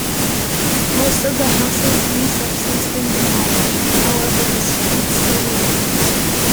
Most of the houses used have since been demolished, however the street still remains.